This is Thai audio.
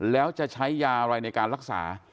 แล้วจะใช้ยาอะไรในการรักษา